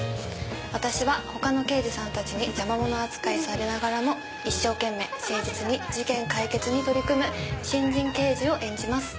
私は他の刑事さんたちに邪魔者扱いされながらも一生懸命誠実に事件解決に取り組む新人刑事を演じます。